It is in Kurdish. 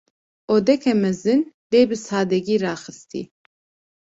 Odeke mezin; lê bi sadegî raxistî.